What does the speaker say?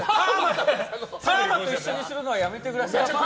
パーマと一緒にするのはやめてください！